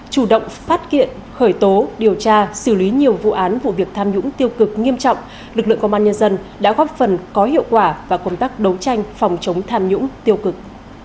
chủ động phát hiện khởi tố điều tra xử lý nhiều vụ án vụ việc tham nhũng tiêu cực nghiêm trọng lực lượng công an nhân dân đã góp phần có hiệu quả và công tác đấu tranh phòng chống tham nhũng tiêu cực